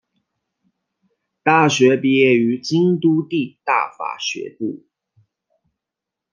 大学毕业于京都帝大法学部。